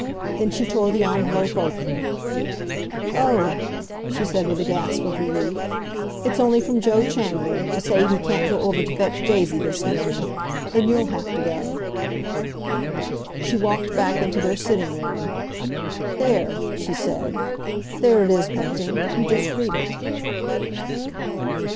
Then she tore the envelope open—"Oh!" she said with a gasp of relief. "It's only from Joe Chandler, to say he can't go over to fetch Daisy this morning. Then you'll have to go." She walked back into their sitting room. "There!" she said. "There it is, Bunting. You just read it."